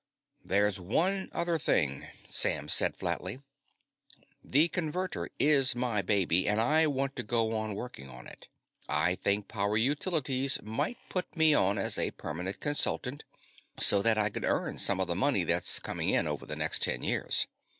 "There's one other thing," Sam said flatly. "The Converter is my baby, and I want to go on working on it. I think Power Utilities might put me on as a permanent consultant, so that I could earn some of the money that's coming in over the next ten years.